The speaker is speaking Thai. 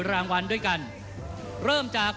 ท่านแรกครับจันทรุ่ม